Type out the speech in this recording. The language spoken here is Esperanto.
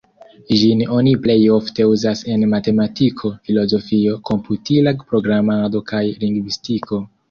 Ĝin oni plej ofte uzas en matematiko, filozofio, komputila programado, kaj lingvistiko.